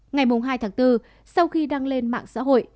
ngày hai tháng bốn sau khi đăng lên mạng xã hội